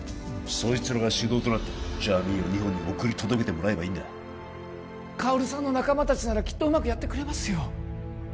そいつらが主導となってジャミーンを日本に送り届けてもらえばいいんだ薫さんの仲間達ならきっとうまくやってくれますよ